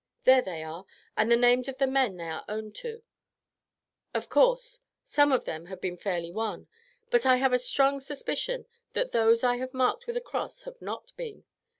There they are, and the names of the men they are owed to; of course some of them have been fairly won, but I have a strong suspicion that those I have marked with a cross have not been.